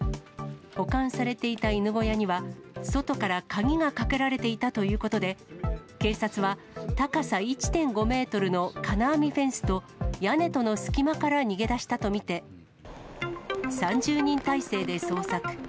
保管されていた犬小屋には、外から鍵がかけられていたということで、警察は、高さ１．５メートルの金網フェンスと屋根との隙間から逃げ出したと見て、３０人態勢で捜索。